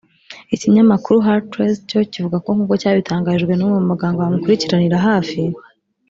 Ikinyamakuru Haaretz cyo kivuga ko nk’uko cyabitangarijwe n’umwe mu baganga bamukurikiranira hafi